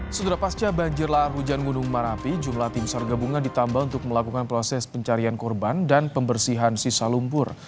setelah pasca banjir lahar hujan gunung merapi jumlah tim sar gabungan ditambah untuk melakukan proses pencarian korban dan pembersihan sisa lumpur